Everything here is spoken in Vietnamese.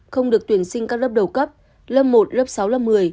không được tuyển sinh các lớp đầu cấp lớp một lớp sáu lớp một mươi